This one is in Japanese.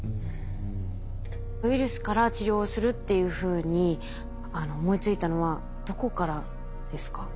ウイルスから治療をするっていうふうに思いついたのはどこからですか？